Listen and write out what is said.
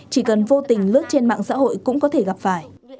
chỉ cần vô tình lướt trên mạng xã hội cũng có thể gặp phải